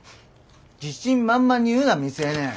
自信満々に言うな未成年。